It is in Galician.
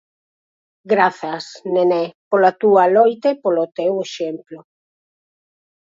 Grazas, Nené, pola túa loita e polo teu exemplo.